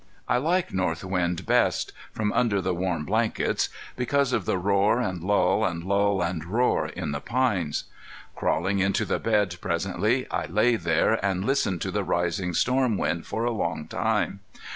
I like north wind best from under the warm blankets because of the roar and lull and lull and roar in the pines. Crawling into the bed presently, I lay there and listened to the rising storm wind for a long time.